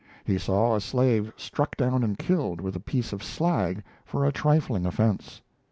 He saw a slave struck down and killed with a piece of slag for a trifling offense.